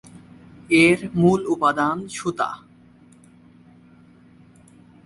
এর মূল উপাদান সুতা।